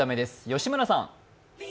吉村さん。